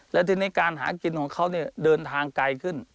และทีนี้การหากินของเขาเนี่ยเดินทางไกลขึ้น